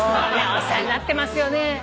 お世話になってますよね。